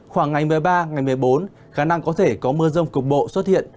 khoảng ngày một mươi ba ngày một mươi bốn khả năng có thể có mưa rông cục bộ xuất hiện